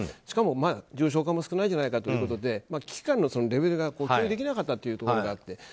しかも、まだ重症化も少ないじゃないかということで危機感のレベルが共有できなかったところがあって。